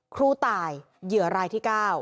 ครูตายเหยื่อรายที่๙